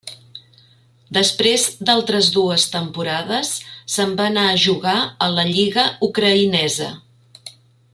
Després d'altres dues temporades se'n va anar a jugar a la lliga ucraïnesa.